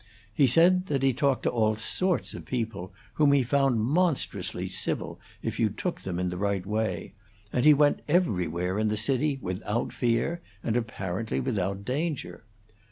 He said that he talked with all sorts of people, whom he found monstrously civil, if you took them in the right way; and he went everywhere in the city without fear and apparently without danger.